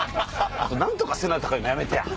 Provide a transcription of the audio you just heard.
「何とかせな！」とか言うのやめてや。